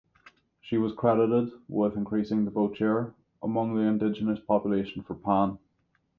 She was credited with increasing the vote share among the indigenous population for Pan.